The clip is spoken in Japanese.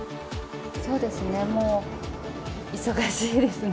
そうですね、もう忙しいですね。